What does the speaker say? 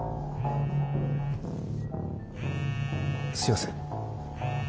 すみません。